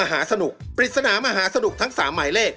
รายการปริศนามหาสนุกทั้งสามใหม่เลข